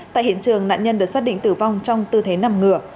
tại hiện trường nạn nhân được xác định tử vong trong tư thế nằm ngửa